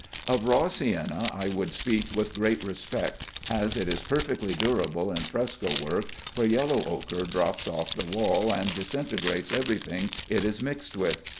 Of raw sienna I would speak with great respect, as it is perfectly durable in fresco work, where yellow ochre drops off the wall and disintegrates every thing it is mixed with.